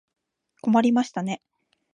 困りましたね。